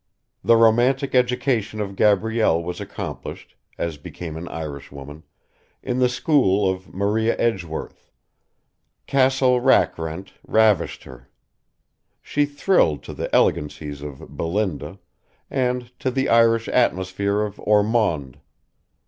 The romantic education of Gabrielle was accomplished, as became an Irishwoman, in the school of Maria Edgeworth. Castle Rackrent ravished her. She thrilled to the elegancies of Belinda and to the Irish atmosphere of Ormond.